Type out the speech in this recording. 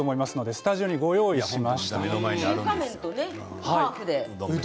スタジオにご用意しました。